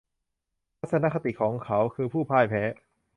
ทัศนคติของเขาคือผู้พ่ายแพ้